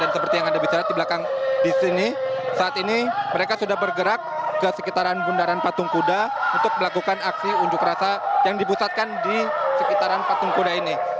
seperti yang anda bisa lihat di belakang di sini saat ini mereka sudah bergerak ke sekitaran bundaran patung kuda untuk melakukan aksi unjuk rasa yang dipusatkan di sekitaran patung kuda ini